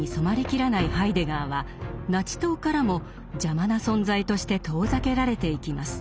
切らないハイデガーはナチ党からも邪魔な存在として遠ざけられていきます。